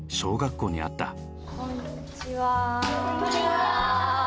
こんにちは。